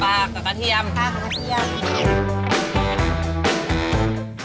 ปลากับกระเทียมค่ะปลากับกระเทียมค่ะ